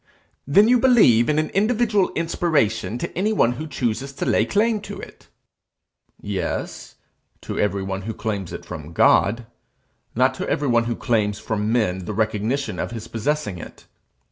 'Then you believe in an individual inspiration to anyone who chooses to lay claim to it!' Yes to everyone who claims it from God; not to everyone who claims from men the recognition of his possessing it.